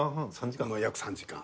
３時間？約３時間。